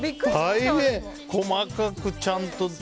細かくちゃんと。